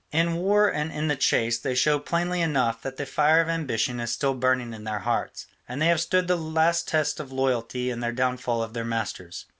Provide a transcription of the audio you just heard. In war and in the chase they show plainly enough that the fire of ambition is still burning in their hearts. And they have stood the last test of loyalty in the downfall of their masters.